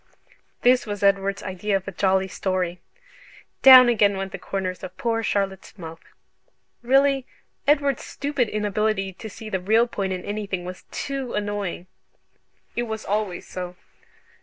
This was Edward's idea of a jolly story! Down again went the corners of poor Charlotte's mouth. Really Edward's stupid inability to see the real point in anything was TOO annoying! It was always so.